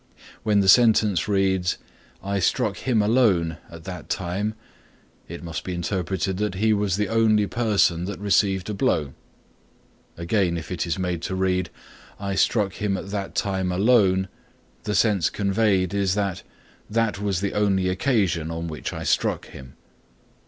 When the sentence reads "I struck him alone at that time" it must be interpreted that he was the only person that received a blow. Again if it is made to read "I struck him at that time alone" the sense conveyed is that that was the only occasion on which I struck him.